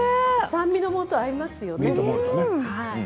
酸味のもとが合いますよね。